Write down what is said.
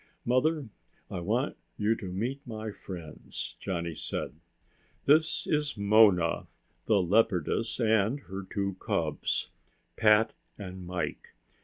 "Mother, I want you to meet my friends," Johnny said. "This is Mona, the leopardess, and her two cubs, Pat and Mike.